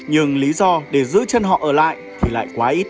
nhưng lý do để giữ chân họ là